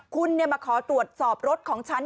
คุณมาขอตรวจสอบรถของฉัน